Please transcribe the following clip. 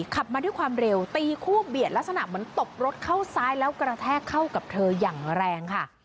ขับมาด้วยความเร็วตีคู่เบียดลักษณะเหมือนตบรถเข้าซ้ายแล้วกระแทกเข้ากับเธออย่างแรงค่ะ